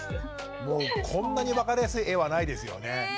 もうこんなに分かりやすい画はないですよね。